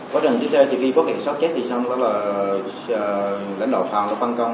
quá trình trước đây thì khi phát hiện sát chết thì xong đó là lãnh đạo phòng đã phân công